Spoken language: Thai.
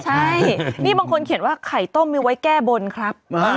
ใช่นี่บางคนเขียนว่าไข่ต้มมีไว้แก้บนครับ